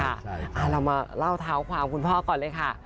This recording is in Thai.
เรามาเล่าเท้าความคุณพ่อก่อนเลยค่ะ